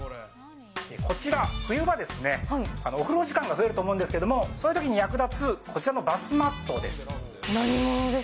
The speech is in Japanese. こちら、冬場、お風呂時間が増えると思うんですけれども、そういうときに役立つこちらのバスマットです。